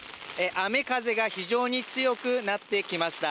雨風が非常に強くなってきました。